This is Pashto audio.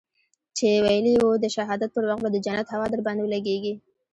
چې ويلي يې وو د شهادت پر وخت به د جنت هوا درباندې ولګېږي.